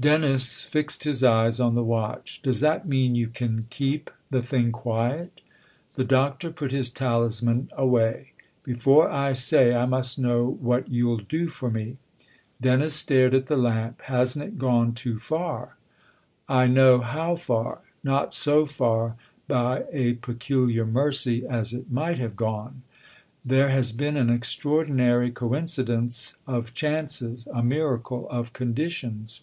Dennis fixed his eyes on the watch. " Does that mean you can keep the thing quiet ?" The Doctor put his talisman away. " Before I say I must know what you'll do for me." Dennis stared at the lamp. " Hasn't it gone too far ?"" I know how far : not so far, by a peculiar mercy, as it might have gone. There has been an extraordinary coincidence of chances a miracle of conditions.